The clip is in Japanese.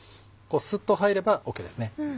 すっと入ればＯＫですね。